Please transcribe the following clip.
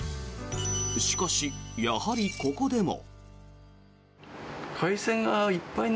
しかし、やはりここでも。